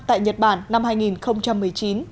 tại nhật bản năm hai nghìn một mươi chín